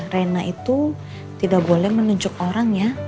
rena itu tidak boleh menunjuk orang ya